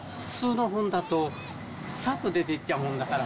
普通の本だとさっと出ていっちゃうもんだから。